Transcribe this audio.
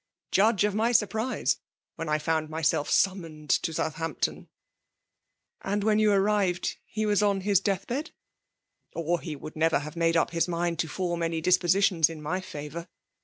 Judge of my surprise uriien I found myself summoned to Soudiamp* tmr *^ And when you azziiired, he waa on hia deathbed ?*'*' Or he would never have made up his mind to form any dispositiona in my &vonr.